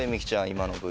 今のＶ。